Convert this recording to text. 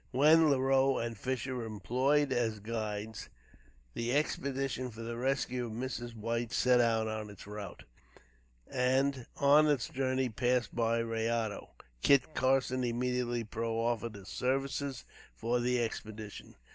With Leroux and Fisher employed as guides, the expedition for the rescue of Mrs. White set out on its route, and, on its journey, passed by Rayado. Kit Carson immediately proffered his services for the expedition.